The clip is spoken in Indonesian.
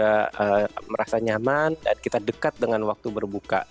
kita merasa nyaman dan kita dekat dengan waktu berbuka